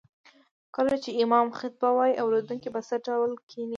کله چې امام خطبه وايي اوريدونکي به څه ډول کيني